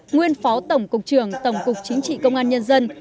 nguyên phó tổng cục trưởng tổng cục chính trị công an nhân dân